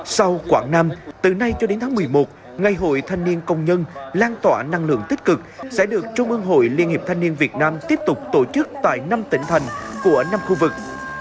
sau quảng nam từ nay cho đến tháng một mươi một ngày hội thanh niên công nhân lan tỏa năng lượng tích cực sẽ được trung ương hội liên hiệp thanh niên việt nam tiếp tục tổ chức tại năm tỉnh thành của năm khu vực